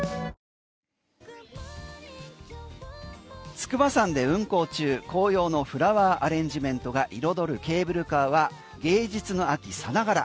筑波山で運行中紅葉のフラワーアレンジメントが彩るケーブルカーは芸術の秋さながら。